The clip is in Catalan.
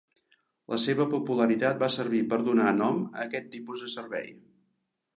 La seva popularitat va servir per a donar nom a aquest tipus de servei.